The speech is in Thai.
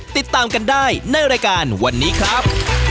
ติดตามกันได้ในรายการวันนี้ครับ